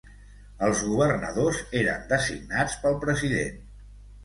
Els governadors eren designats pel president.